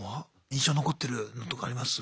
印象に残ってるのとかあります？